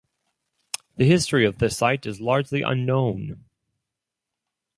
The history of this site is largely unknown.